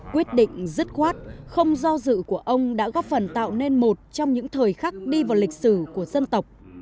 quyết định dứt khoát không do dự của ông đã góp phần tạo nên một trong những thời khắc đi vào lịch sử của dân tộc